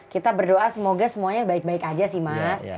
kita berdoa semoga semuanya baik baik aja sih mas